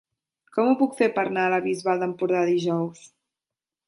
Com ho puc fer per anar a la Bisbal d'Empordà dijous?